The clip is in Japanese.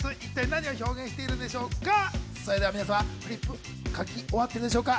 それでは皆様フリップ書き終わってるでしょうか？